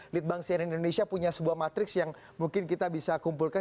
lead bank siena indonesia punya sebuah matriks yang mungkin kita bisa kumpulkan